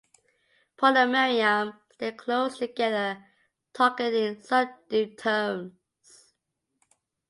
Paul and Miriam stayed close together, talking in subdued tones.